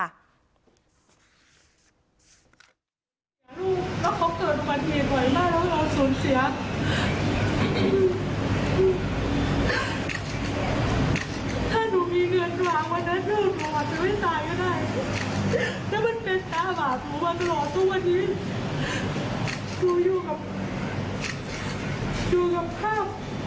แต่ว่าตลอดตั้งแต่วันนี้กูอยู่กับภาพเหตุการณ์ของลุงตลอดเวลา